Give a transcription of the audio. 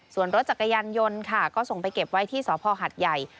ส่วนรถจักรยานยนต์ค่ะก็ส่งไปเก็บไว้ที่สพหัดใหญ่